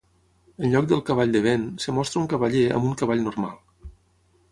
En lloc del Cavall de vent, es mostra un cavaller amb un cavall normal.